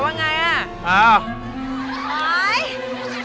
ว่าไงอ่ะ